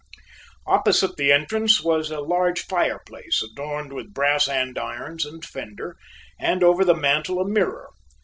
Opposite the entrance was a large fireplace adorned with brass andirons and fender, and over the mantel a mirror.